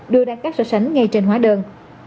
đưa ra các so sánh ngay trên hóa đơn